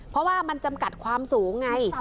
เพราะว่ามันจำกัดความสูงไง